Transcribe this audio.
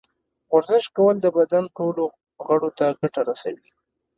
ورزش کول د بدن ټولو غړو ته ګټه رسوي.